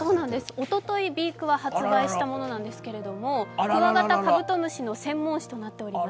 おととい、「ＢＥ−ＫＵＷＡ」、発売したものなんですけど、クワガタ、カブトムシの専門誌となっております。